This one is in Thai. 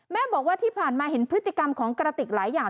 แม่บอกว่าที่ผ่านมาเห็นพฤติกรรมของกระติกหลายอย่าง